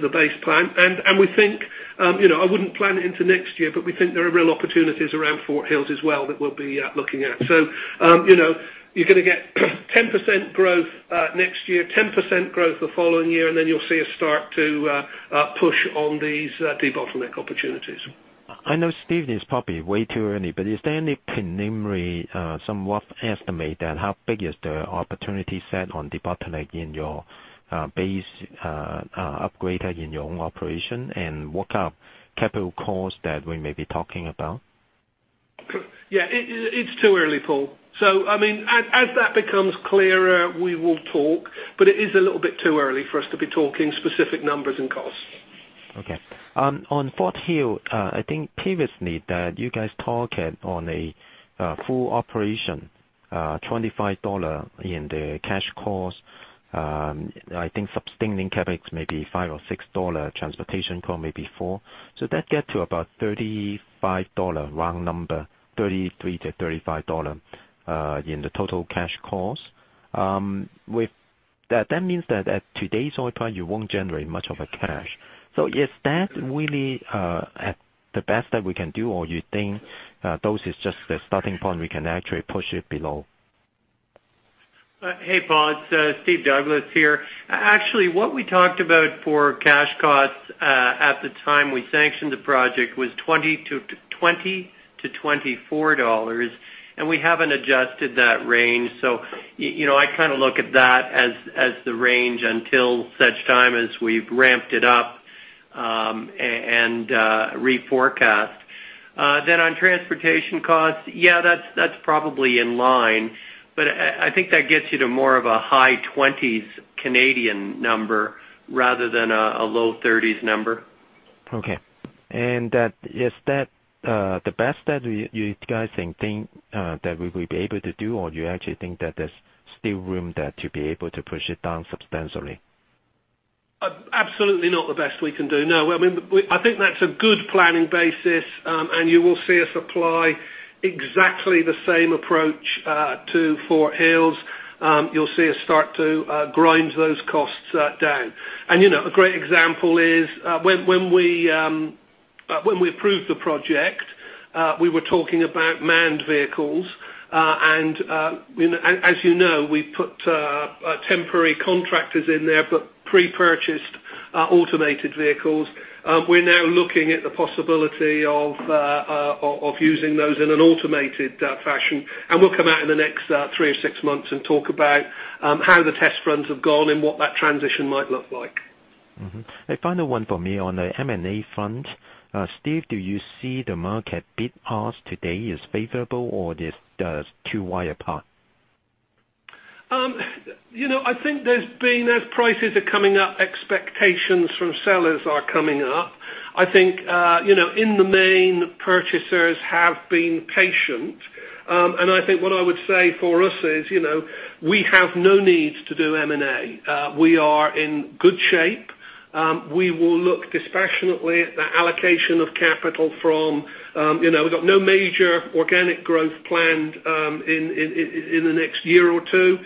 Speaker 3: the base plant. We think, I wouldn't plan into next year, but we think there are real opportunities around Fort Hills as well that we'll be looking at. You're going to get 10% growth next year, 10% growth the following year, and then you'll see us start to push on these debottleneck opportunities.
Speaker 11: I know, Steve, it's probably way too early, but is there any preliminary, somewhat estimate at how big is the opportunity set on debottleneck in your base upgrader in your own operation, and what are capital costs that we may be talking about?
Speaker 3: It's too early, Paul. As that becomes clearer, we will talk, but it is a little bit too early for us to be talking specific numbers and costs.
Speaker 11: Okay. On Fort Hills, I think previously that you guys target on a full operation, 25 dollars in the cash cost. I think sustaining CapEx may be 5 or 6 dollar, transportation cost may be 4. That get to about 35 dollar, round number, 33-35 dollar in the total cash cost. That means that at today's oil price, you won't generate much of a cash. Is that really the best that we can do, or you think those is just the starting point, we can actually push it below?
Speaker 2: Hey, Paul. It's Steve Douglas here. Actually, what we talked about for cash costs, at the time we sanctioned the project, was 20-24 dollars, and we haven't adjusted that range. I look at that as the range until such time as we've ramped it up and reforecast. On transportation costs, yeah, that's probably in line. I think that gets you to more of a high 20s Canadian number rather than a low 30s number.
Speaker 11: Okay. Is that the best that you guys think that we will be able to do, or do you actually think that there's still room there to be able to push it down substantially?
Speaker 3: Absolutely not the best we can do. No. I think that's a good planning basis, and you will see us apply exactly the same approach to Fort Hills. You'll see us start to grind those costs down. A great example is when we approved the project, we were talking about manned vehicles. As you know, we put temporary contractors in there, but pre-purchased automated vehicles. We're now looking at the possibility of using those in an automated fashion. We'll come out in the next three or six months and talk about how the test runs have gone and what that transition might look like.
Speaker 11: Mm-hmm. A final one for me on the M&A front. Steve, do you see the market bid ask today is favorable or is too wide apart?
Speaker 3: I think there's been, as prices are coming up, expectations from sellers are coming up. I think, in the main, purchasers have been patient. I think what I would say for us is, we have no needs to do M&A. We are in good shape. We will look dispassionately at the allocation of capital. We've got no major organic growth planned in the next year or two.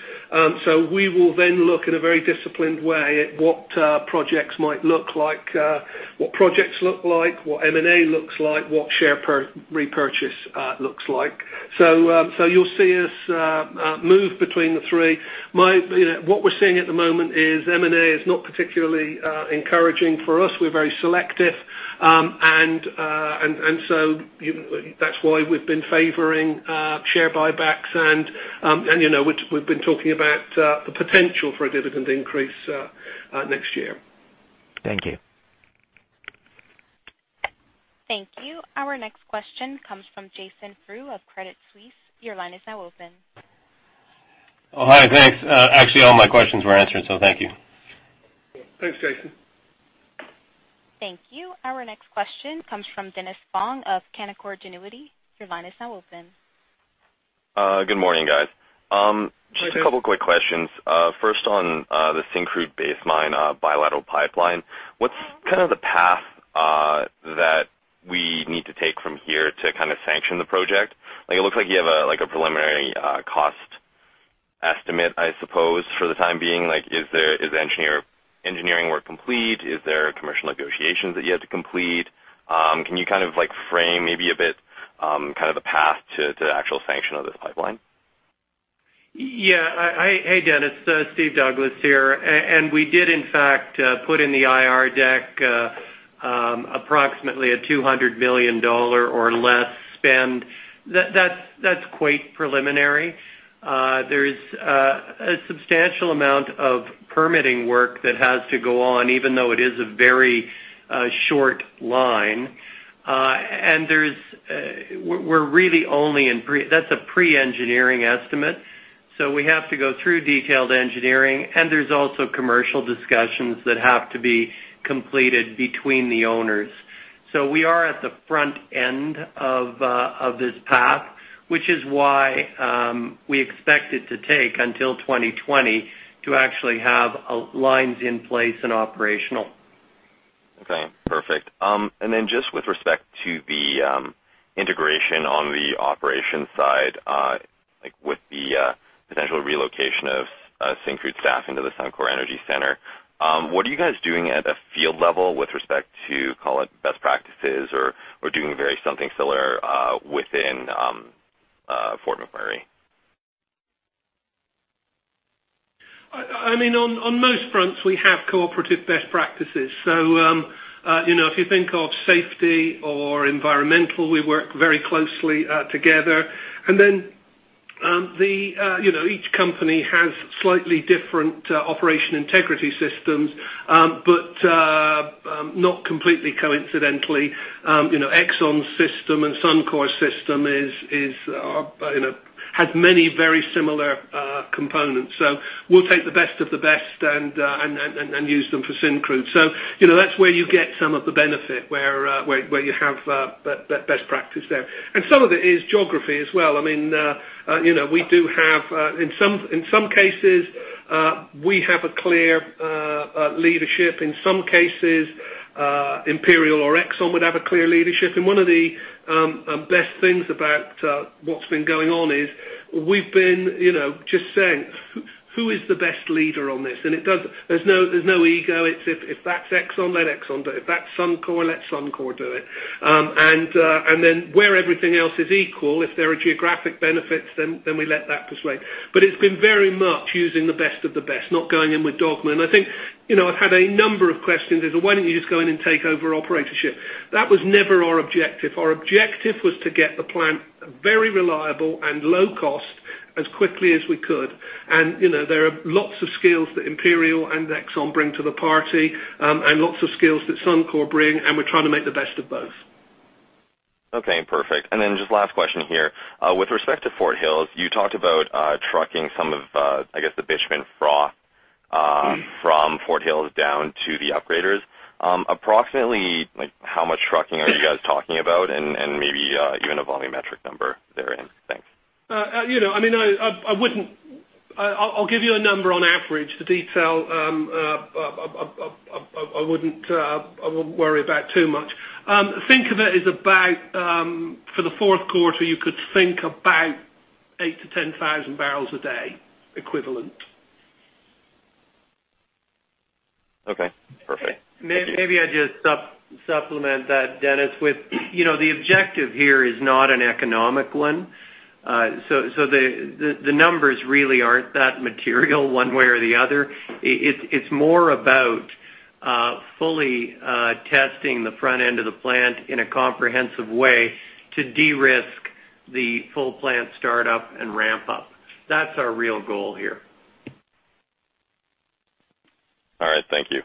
Speaker 3: We will then look in a very disciplined way at what projects might look like, what M&A looks like, what share repurchase looks like. You'll see us move between the three. What we're seeing at the moment is M&A is not particularly encouraging for us. We're very selective. That's why we've been favoring share buybacks, and we've been talking about the potential for a dividend increase next year.
Speaker 11: Thank you.
Speaker 1: Thank you. Our next question comes from Jason Frew of Credit Suisse. Your line is now open.
Speaker 12: Oh, hi. Thanks. Actually, all my questions were answered. Thank you.
Speaker 3: Thanks, Jason.
Speaker 1: Thank you. Our next question comes from Dennis Fong of Canaccord Genuity. Your line is now open.
Speaker 13: Good morning, guys.
Speaker 3: Morning.
Speaker 13: Just a couple quick questions. First on the Syncrude base mine bilateral pipeline. What's kind of the path that we need to take from here to kind of sanction the project? It looks like you have a preliminary cost estimate, I suppose, for the time being. Is the engineering work complete? Is there commercial negotiations that you had to complete? Can you kind of frame maybe a bit, kind of the path to actual sanction of this pipeline?
Speaker 2: Yeah. Hey, Dennis. Steve Douglas here. We did in fact, put in the IR deck approximately a 200 million dollar or less spend. That's quite preliminary. There's a substantial amount of permitting work that has to go on, even though it is a very short line. That's a pre-engineering estimate. We have to go through detailed engineering, and there's also commercial discussions that have to be completed between the owners. We are at the front end of this path, which is why we expect it to take until 2020 to actually have lines in place and operational.
Speaker 13: Okay. Perfect. Just with respect to the integration on the operations side, like with the potential relocation of Syncrude staff into the Suncor Energy Centre, what are you guys doing at a field level with respect to, call it, best practices or doing very something similar within Fort McMurray?
Speaker 3: On most fronts, we have cooperative best practices. If you think of safety or environmental, we work very closely together. Then each company has slightly different operation integrity systems. Not completely coincidentally, Exxon's system and Suncor's system had many very similar components. We'll take the best of the best and use them for Syncrude. That's where you get some of the benefit, where you have best practice there. Some of it is geography as well. In some cases, we have a clear leadership. In some cases, Imperial or Exxon would have a clear leadership. One of the best things about what's been going on is we've been just saying, "Who is the best leader on this?" There's no ego. If that's Exxon, let Exxon do it. If that's Suncor, let Suncor do it. Then where everything else is equal, if there are geographic benefits, then we let that persuade. It's been very much using the best of the best, not going in with dogma. I think, I've had a number of questions as to why don't you just go in and take over operatorship? That was never our objective. Our objective was to get the plant very reliable and low cost as quickly as we could. There are lots of skills that Imperial and Exxon bring to the party, and lots of skills that Suncor bring, and we're trying to make the best of both.
Speaker 13: Okay, perfect. Then just last question here. With respect to Fort Hills, you talked about trucking some of the bitumen froth from Fort Hills down to the upgraders. Approximately how much trucking are you guys talking about? Maybe even a volumetric number therein. Thanks.
Speaker 3: I'll give you a number on average, the detail I wouldn't worry about too much. For the fourth quarter, you could think about 8-10,000 barrels a day equivalent.
Speaker 13: Okay, perfect.
Speaker 2: Maybe I just supplement that, Dennis, with the objective here is not an economic one. The numbers really aren't that material one way or the other. It's more about fully testing the front end of the plant in a comprehensive way to de-risk the full plant start-up and ramp up. That's our real goal here.
Speaker 13: All right, thank you.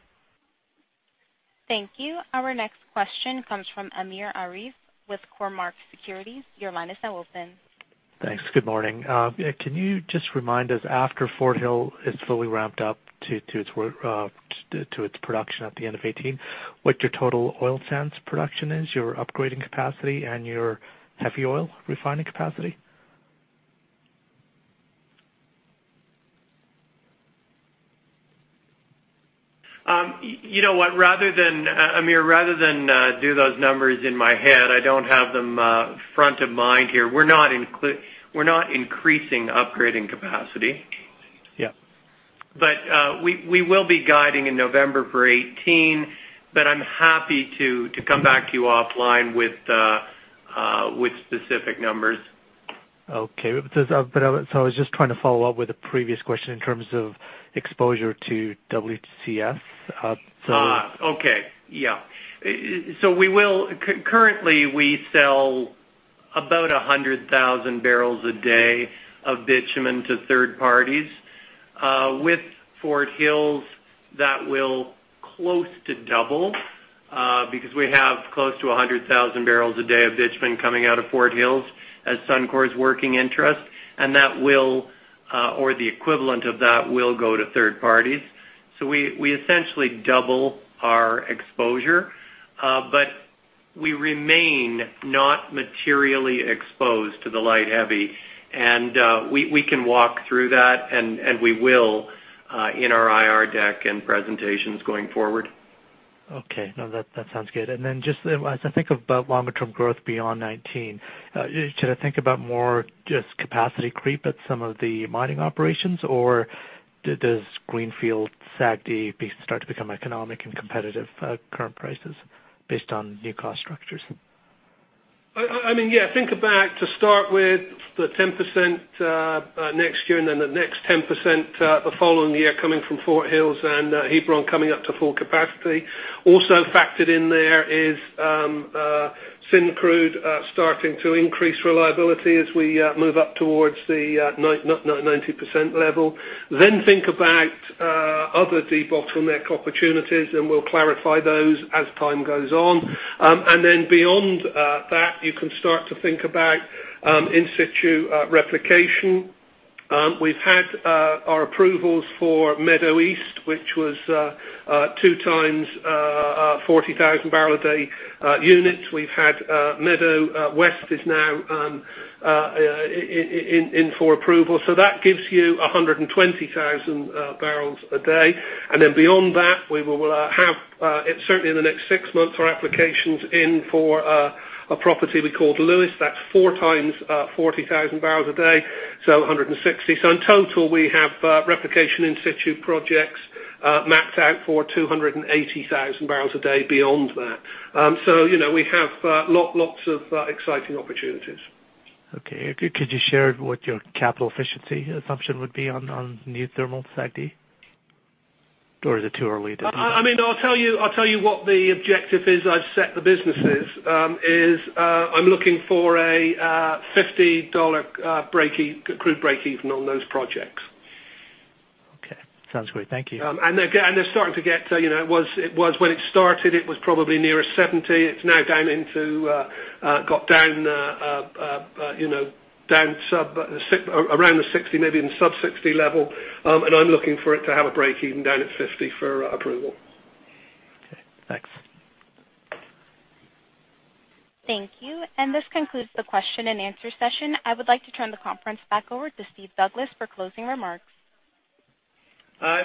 Speaker 1: Thank you. Our next question comes from Amir Arif with Cormark Securities. Your line is now open.
Speaker 14: Thanks. Good morning. Can you just remind us, after Fort Hills is fully ramped up to its production at the end of 2018, what your total oil sands production is, your upgrading capacity, and your heavy oil refining capacity?
Speaker 2: Amir, rather than do those numbers in my head, I don't have them front of mind here. We're not increasing upgrading capacity.
Speaker 14: Yeah.
Speaker 2: We will be guiding in November for 2018, but I'm happy to come back to you offline with specific numbers.
Speaker 14: Okay. I was just trying to follow up with a previous question in terms of exposure to WCS.
Speaker 2: Okay. Yeah. Currently, we sell about 100,000 barrels a day of bitumen to third parties. With Fort Hills, that will close to double because we have close to 100,000 barrels a day of bitumen coming out of Fort Hills as Suncor's working interest, and the equivalent of that will go to third parties. We essentially double our exposure. We remain not materially exposed to the light heavy, and we can walk through that, and we will in our IR deck and presentations going forward.
Speaker 14: Okay. No, that sounds good. Just as I think about longer-term growth beyond 2019, should I think about more just capacity creep at some of the mining operations, or does Greenfield SAGD start to become economic and competitive at current prices based on new cost structures?
Speaker 3: Yeah. Think about, to start with, the 10% next year, the next 10% the following year coming from Fort Hills and Hebron coming up to full capacity. Also factored in there is Syncrude starting to increase reliability as we move up towards the 90% level. Think about other debottleneck opportunities, and we'll clarify those as time goes on. Beyond that, you can start to think about in situ replication. We've had our approvals for Meadow East, which was two times 40,000 barrel a day unit. We've had Meadow West is now in for approval. That gives you 120,000 barrels a day. Beyond that, we will have, certainly in the next six months, our applications in for a property we called Lewis. That's four times 40,000 barrels a day, so 160. In total, we have replication in situ projects mapped out for 280,000 barrels a day beyond that. We have lots of exciting opportunities.
Speaker 14: Okay. Could you share what your capital efficiency assumption would be on new thermal SAGD? Or is it too early to?
Speaker 3: I'll tell you what the objective is I've set the businesses is I'm looking for a 50 dollar crude breakeven on those projects.
Speaker 14: Okay. Sounds great. Thank you.
Speaker 3: They're starting to get. When it started, it was probably nearer 70. It's now got down around the 60, maybe in the sub 60 level. I'm looking for it to have a breakeven down at 50 for approval.
Speaker 14: Okay, thanks.
Speaker 1: Thank you. This concludes the question and answer session. I would like to turn the conference back over to Steve Douglas for closing remarks.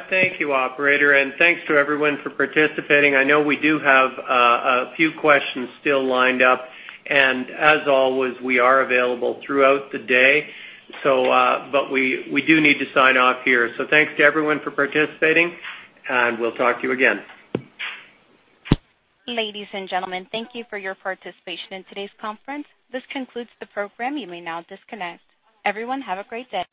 Speaker 2: Thank you, operator, and thanks to everyone for participating. I know we do have a few questions still lined up, and as always, we are available throughout the day. We do need to sign off here. Thanks to everyone for participating, and we'll talk to you again.
Speaker 1: Ladies and gentlemen, thank you for your participation in today's conference. This concludes the program. You may now disconnect. Everyone, have a great day.